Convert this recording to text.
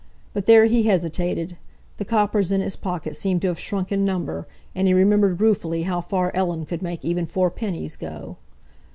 But there he hesitated. The coppers in his pocket seemed to have shrunk in number, and he remembered ruefully how far Ellen could make even four pennies go.